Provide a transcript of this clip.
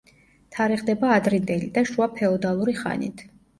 თარიღდება ადრინდელი და შუა ფეოდალური ხანით.